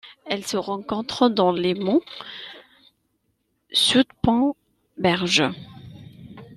Elle se rencontre dans les monts Soutpansberg.